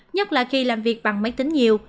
nhất là khi làm việc bằng máy tính nhiều